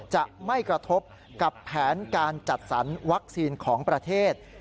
จะไม่กระทบกับแผนการจัดสรรวัคซีนของประเทศ